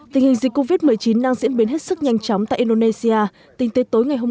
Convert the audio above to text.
tình hình dịch covid một mươi chín đang diễn biến hết sức nhanh chóng tại indonesia tính tới tối ngày hôm